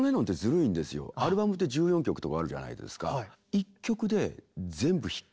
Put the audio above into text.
アルバムって１４曲とかあるじゃないですか。